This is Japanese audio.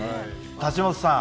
立本さん